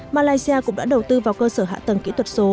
malaysia cũng đã đầu tư vào cơ sở hạ tầng kỹ thuật số